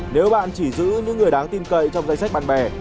nếu bạn chỉ giữ những người đáng tin cậy trong danh sách bạn bè